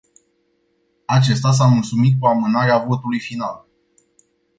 Acesta s-a mulțumit cu amânarea votului final.